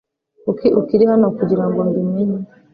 Kuki ukiri hano kugirango mbi menye